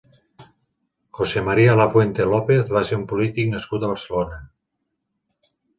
José María Lafuente López va ser un polític nascut a Barcelona.